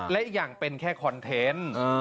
และอีกอย่างเป็นแค่คอนเทนต์